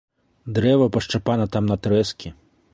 Дрэва пашчапана там на трэскі.